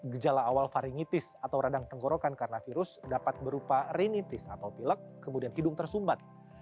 gejala awal varingitis atau radang tenggorokan karena virus dapat berupa rinitis atau pilek kemudian hidung tersumbat